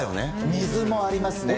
水もありますね。